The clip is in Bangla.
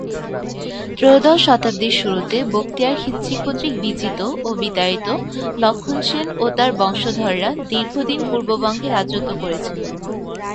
ত্রয়োদশ শতাব্দীর শুরুতে বখতিয়ার খিলজী কর্তৃক বিজিত ও বিতাড়িত লক্ষণ সেন ও তার বংশধররা দীর্ঘ দিন পূর্ববঙ্গে রাজত্ব করেছিল।